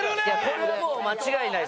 これはもう間違いないです。